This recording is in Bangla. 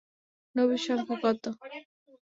নবীর সংখ্যা কত?